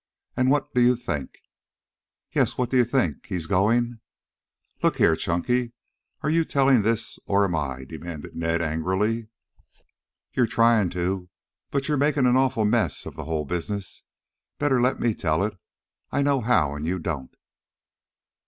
And what do you think?" "Yes, what d'ye think? He's going " "Look here, Chunky, are you telling this or am I?" demanded Ned angrily. "You're trying to, but you're making an awful mess of the whole business. Better let me tell it. I know how and you don't."